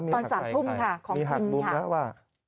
ตอนสามทุ่มค่ะของทิมค่ะ